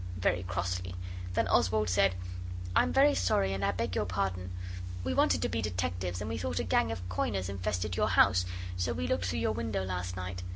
very crossly. Then Oswald said 'I am very sorry, and I beg your pardon. We wanted to be detectives, and we thought a gang of coiners infested your house, so we looked through your window last night.